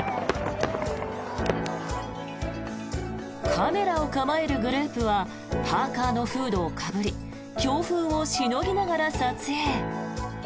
カメラを構えるグループはパーカのフードをかぶり強風をしのぎながら撮影。